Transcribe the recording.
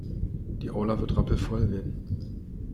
Die Aula wird rappelvoll werden.